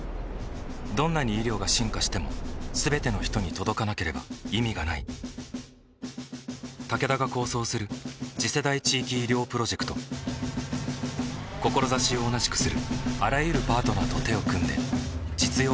どんなに医療が進化しても全ての人に届かなければ意味がないタケダが構想する次世代地域医療プロジェクト志を同じくするあらゆるパートナーと手を組んで実用化に挑む